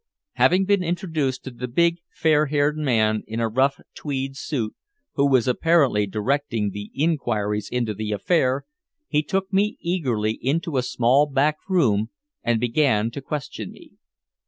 Having been introduced to the big, fair haired man in a rough tweed suit, who was apparently directing the inquiries into the affair, he took me eagerly into a small back room and began to question me.